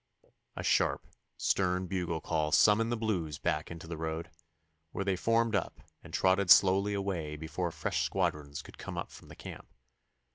A sharp, stern bugle call summoned the Blues back into the road, where they formed up and trotted slowly away before fresh squadrons could come up from the camp.